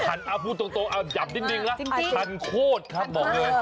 ทันพูดตรงจำจริงละทันโคตรครับหมอเงิน